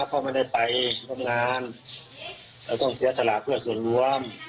เขาไม่ได้ไปร่วมงานเราต้องเสียสละเพื่อส่วนรวม